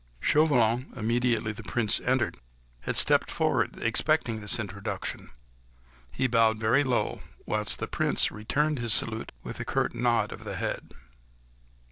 Chauvelin, immediately the Prince entered, had stepped forward, expecting this introduction. He bowed very low, whilst the Prince returned his salute with a curt nod of the head.